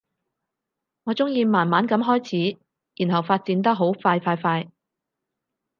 我鍾意慢慢噉開始，然後發展得好快快快